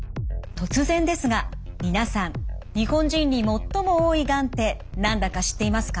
突然ですが皆さん日本人に最も多いがんって何だか知っていますか？